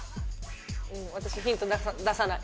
私ヒント出さない